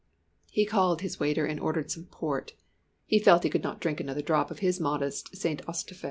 He called his waiter and ordered some port he felt he could not drink another drop of his modest St. Estèphe!